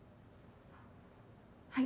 はい。